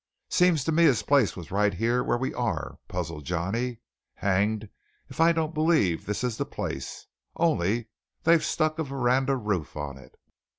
"Seems to me his place was right here where we are," puzzled Johnny. "Hanged if I don't believe this is the place; only they've stuck a veranda roof on it."